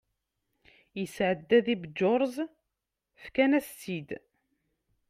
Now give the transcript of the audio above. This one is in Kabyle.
yesɛedda la bǧurse fkan-as-tt-id